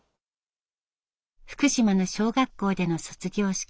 福島の小学校での卒業式。